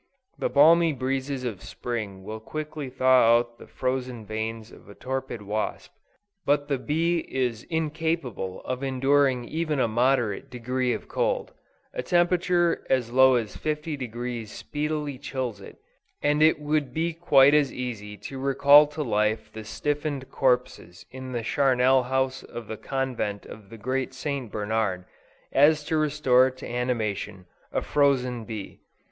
The balmy breezes of Spring will quickly thaw out the frozen veins of a torpid Wasp; but the bee is incapable of enduring even a moderate degree of cold: a temperature as low as 50° speedily chills it, and it would be quite as easy to recall to life the stiffened corpses in the charnel house of the Convent of the Great St. Bernard, as to restore to animation, a frozen bee.